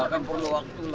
gak akan perlu waktu lah